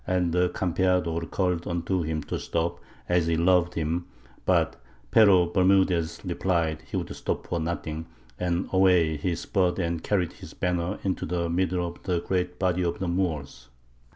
And the Campeador called unto him to stop as he loved him, but Pero Bermudez replied he would stop for nothing, and away he spurred and carried his banner into the middle of the great body of the Moors.